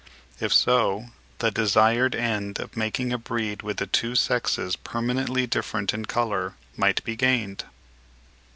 If so, the desired end of making a breed with the two sexes permanently different in colour might be gained.